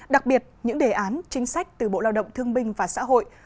đặc biệt những đề án chính sách từ bộ lao động thương binh và xã hội